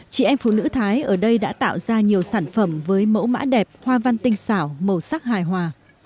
chị em phụ nữ thái ở đây đã tạo ra nhiều sản phẩm với mẫu mã đẹp hoa văn tinh xảo màu sắc hài hòa